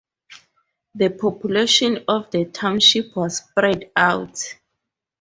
The population of the Township was spread out.